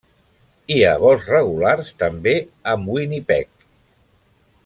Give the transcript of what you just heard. Hi ha vols regulars també amb Winnipeg.